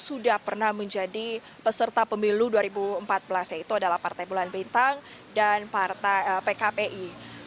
sudah pernah menjadi peserta pemilu dua ribu empat belas yaitu adalah partai bulan bintang dan partai pkpi